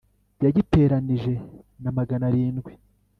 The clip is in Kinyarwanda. yayiteranije na magana arindwi